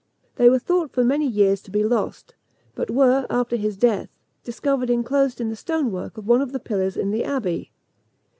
They were thought for many years to be lost, but were, after his death, discovered enclosed in the stone work of one of the pillars in the Abbey.